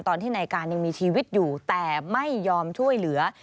ตอนที่นายการยังมีชีวิตอยู่แต่ไม่ยอมช่วยเหลือ